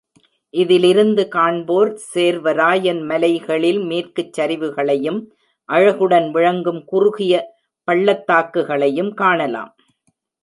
இதிலிருந்து காண்போர் சேர்வராயன் மலைகளின் மேற்குச் சரிவுகளையும், அழகுடன் விளங்கும் குறுகிய பள்ளத்தாக்கையும காணலாம்.